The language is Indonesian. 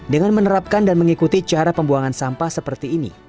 dengan menerapkan dan mengikuti cara pembuangan sampah seperti ini